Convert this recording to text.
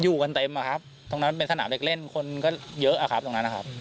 อยู่กันเต็มอะครับตรงนั้นเป็นสนามเด็กเล่นคนก็เยอะอะครับตรงนั้นนะครับ